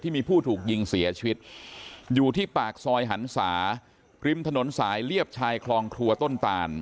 มีผู้ถูกยิงเสียชีวิตอยู่ที่ปากซอยหันศาริมถนนสายเลียบชายคลองครัวต้นตาน